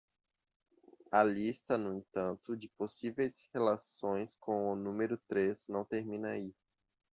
A lista, no entanto, de possíveis relações com o número três não termina aí.